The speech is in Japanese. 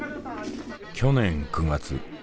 去年９月。